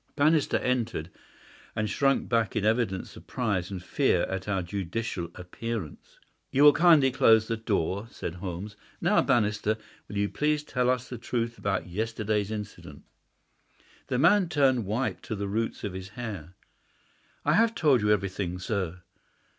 Bannister entered, and shrunk back in evident surprise and fear at our judicial appearance. "You will kindly close the door," said Holmes. "Now, Bannister, will you please tell us the truth about yesterday's incident?" The man turned white to the roots of his hair. "I have told you everything, sir."